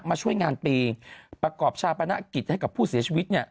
มาช่วยงานปีประกอบชาปนกิจให้กับผู้เสียชีวิตเนี่ย